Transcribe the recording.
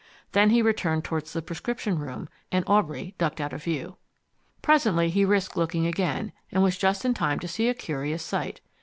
Then he returned toward the prescription room, and Aubrey ducked out of view. Presently he risked looking again, and was just in time to see a curious sight.